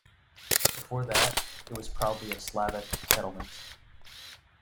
Before that, it was probably a Slavic settlement.